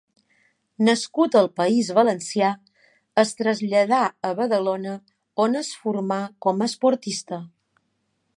Nascut al País Valencià, es traslladà a Badalona, on es formà com a esportista.